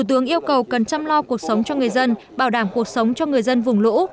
thủ tướng yêu cầu cần chăm lo cuộc sống cho người dân bảo đảm cuộc sống cho người dân vùng lũ